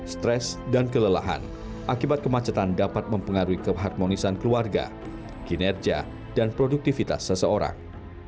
stres dan kelelahan akibat kemacetan dapat mempengaruhi keharmonisan keluarga kinerja dan produktivitas seseorang